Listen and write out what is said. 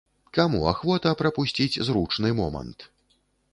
Каму ахвота прапусціць зручны момант?